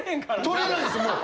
取れないんすよもう。